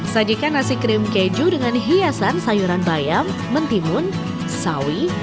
sajikan nasi krim keju dengan hiasan sayuran bayam mentimun sawi